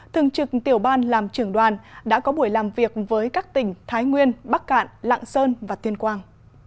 thường trực tiểu ban làm trưởng đoàn đã có buổi làm việc với các tỉnh thái nguyên bắc cạn lạng sơn và thiên quang